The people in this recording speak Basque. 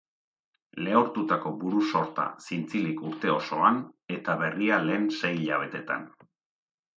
Lehortutako buru-sorta zintzilik urte osoan, eta berria lehen sei hilabeteetan.